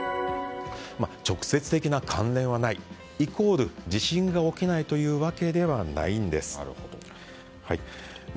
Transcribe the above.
直接的な関連はない、イコール地震が起きないというわけではないんです。